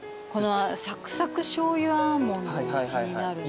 サクサクしょうゆアーモンドも気になるな。